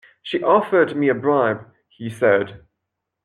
She offered me a bribe, he said.